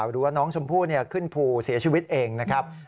หรือว่าน้องชมพู่ขึ้นภูเสียชีวิตเองนะครับ